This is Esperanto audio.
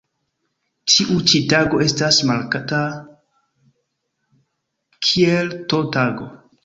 Tiu ĉi tago estas markata kiel T-Tago.